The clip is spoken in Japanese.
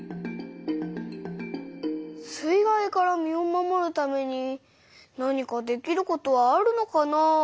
水害から身を守るために何かできることはあるのかなあ？